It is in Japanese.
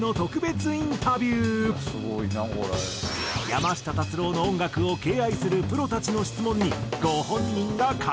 山下達郎の音楽を敬愛するプロたちの質問にご本人が回答。